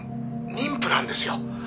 妊婦なんですよ」